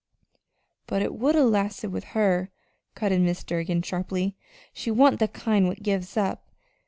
"But it would 'a' lasted with her," cut in Mrs. Durgin, sharply. "She wa'n't the kind what gives up.